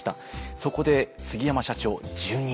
そこで杉山社長１２位。